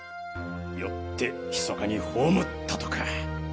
よって密かに葬ったとか。